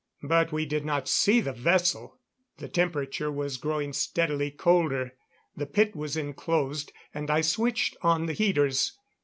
But we did not see the vessel. The temperature was growing steadily colder. The pit was inclosed, and I switched on the heaters.